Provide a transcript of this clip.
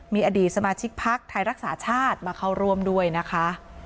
มีอดีตสมาชิกพักไทยรักษาชาติมาเข้าร่วมด้วยนะคะ